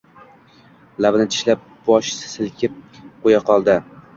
Labini tishlab, bosh silkib qo‘ya qoldi.